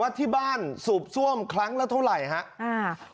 ที่บ้านสูบซ่วมครั้งละเท่าไหร่ครับ